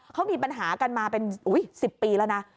เขามีปัญหากันมาเป็น๑๐ปีแล้วนะ